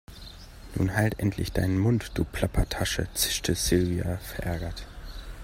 Nun halt endlich deinen Mund, du Plappertasche, zischte Silvia verärgert.